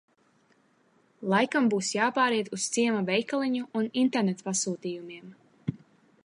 Laikam būs jāpāriet uz ciema veikaliņu un internetpasūtījumiem.